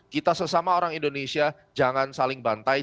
kita sesama orang indonesia jangan saling bantai